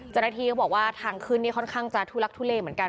เจ้าหน้าที่ก็บอกว่าทางขึ้นนี่ค่อนข้างจะทุลักทุเลเหมือนกัน